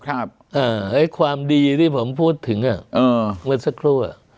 ความดีที่ผมพูดถึงเมื่อสักครู่